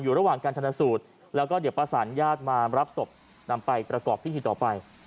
ระหว่างการชนสูตรแล้วก็เดี๋ยวประสานญาติมารับศพนำไปประกอบพิธีต่อไป